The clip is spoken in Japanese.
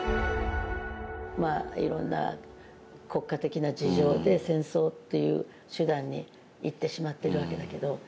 いろんな国家的な事情で戦争っていう手段にいってしまっているわけだけど。